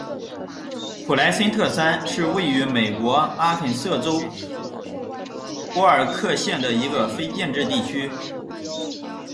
普莱森特山是位于美国阿肯色州波尔克县的一个非建制地区。